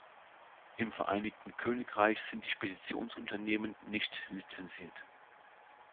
Im Vereinigten Königreich sind die Speditionsunternehmen nicht lizenziert.